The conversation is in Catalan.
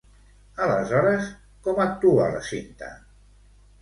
Aleshores, com actua la Cinta?